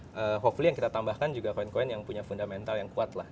ada hopely yang kita tambahkan juga koin koin yang punya fundamental yang kuat lah